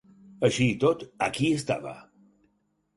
Així i tot, aquí estava.